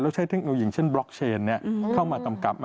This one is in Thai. แล้วใช้เท่าเงียวอย่างเช่นบล็อกเชนเข้ามากำกัด